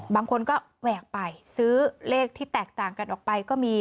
บางคนก็แหวกไปซื้อเลขที่แตกต่างกันออกไปก็มี